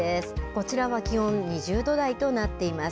こちらは気温２０度台となっています。